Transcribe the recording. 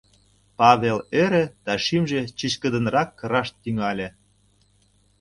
— Павел ӧрӧ да шӱмжӧ чӱчкыдынрак кыраш тӱҥале.